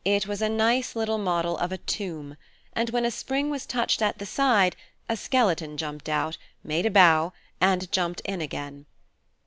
It was a nice little model of a tomb, and when a spring was touched at the side, a skeleton jumped out, made a bow, and jumped in again.